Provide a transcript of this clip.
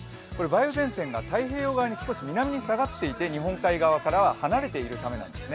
梅雨前線が太平洋側に少し南に下がっていて日本海側からは離れているためなんです。